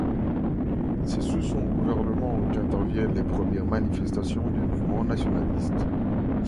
C'est sous son gouvernement qu'interviennent les premières manifestations du mouvement nationaliste.